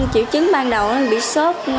chịu chứng ban đầu bị sốt